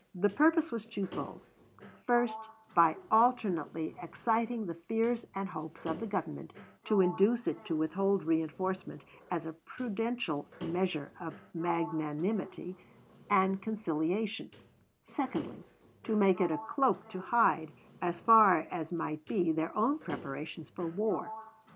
The purpose was twofold: first, by alternately exciting the fears and hopes of the Government to induce it to withhold reënforcement as a prudential measure of magnanimity and conciliation; secondly, to make it a cloak to hide, as far as might be, their own preparations for war.